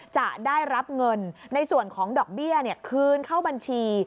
จะได้รับเงินในส่วนของดอกเบี้ยคืนเข้าบัญชี